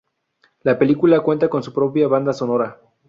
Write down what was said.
La película cuenta con su propia banda sonora.